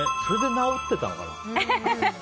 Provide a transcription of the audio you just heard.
それで治ってたのかな。